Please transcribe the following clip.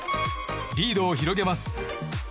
リードを広げます。